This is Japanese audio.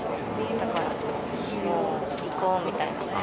だからもう行こうみたいな。